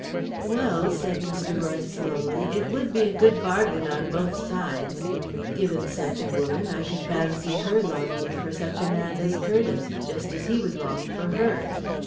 "Well," said Mr. Royce slowly, "it would be a good bargain on both sides. Given such a woman, I could fancy her longing for such a man as Curtiss, just as he would long for her.